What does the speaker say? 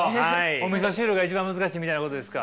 おみそ汁が一番難しいみたいなことですか。